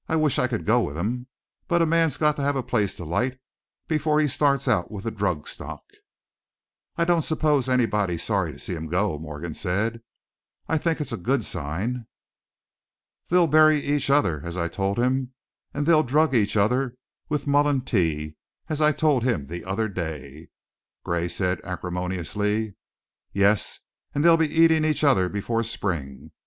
I wish I could go with him, but a man's got to have a place to light before he starts out with a drug stock." "I don't suppose anybody's sorry to see him go," Morgan said. "I think it's a good sign." "They'll bury each other, as I told him, and they'll drug each other with mullein tea, as I told him the other day," Gray said, acrimoniously. "Yes, and they'll be eatin' each other before spring!